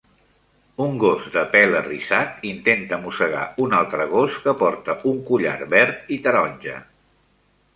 Un gos de pèl arrissat intenta mossegar un altre gos que porta un collar verd i taronja.